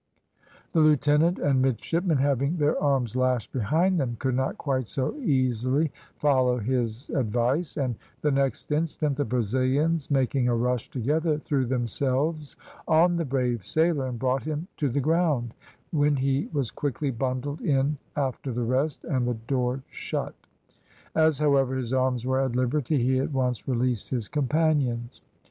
The lieutenant and midshipmen having their arms lashed behind them could not quite so easily follow his advice, and the next instant the Brazilians making a rush together threw themselves on the brave sailor and brought him to the ground, when he was quickly bundled in after the rest, and the door shut. As, however, his arms were at liberty, he at once released his companions.